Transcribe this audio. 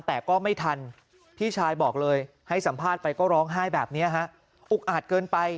แต่ก็ไม่ทันพี่ชายบอกเลยให้สัมภาษณ์ไปก็ร้องไห้แบบนี้ฮะอุกอาจเกินไป